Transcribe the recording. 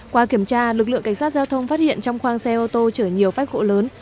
qua kiểm tra lực lượng cảnh sát giao thông phát hiện trong khoang xe ô tô chở nhiều phách gỗ lớn